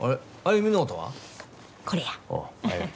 これや。